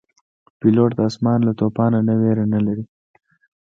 پیلوټ د آسمان له توپانه نه ویره نه لري.